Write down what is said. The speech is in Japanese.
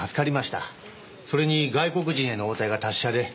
それに外国人への応対が達者で。